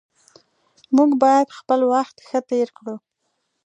موږ باید خپل وخت ښه تیر کړو